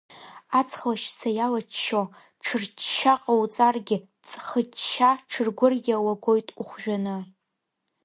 Аҵх лашьца иалаччо, ҽырчча ҟоуҵаргьы, ҵхычча, ҽыргәырӷьа уагоит ухәжәаны.